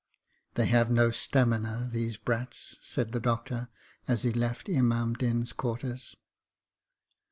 'They have no stamina, these brats,' said the Doctor, as he left Imam Din's quarters.